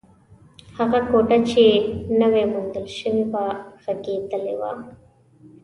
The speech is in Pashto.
هغه کوټه چې نوې موندل شوې وه، غږېدلې وه.